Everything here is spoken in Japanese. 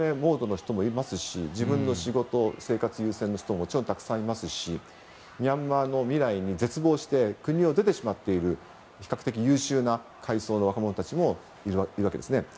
諦めモードの人も自分の生活優先の人もたくさんいますしミャンマーの未来に絶望して国を出てしまっている比較的、優秀な階層の若者もいます。